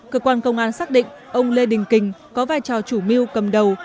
cơ quan công an xác định ông lê đình kình có vai trò chủ mưu cầm đầu